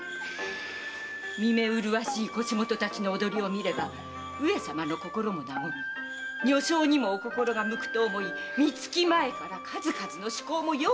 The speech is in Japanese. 見目麗しい腰元達の踊りを見れば上様の心もなごみ女性にもお心が向くと思い三月前から数々の趣向も用意しましたのじゃ。